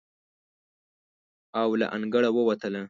او له انګړه ووتله.